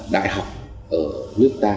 đại học ở nước ta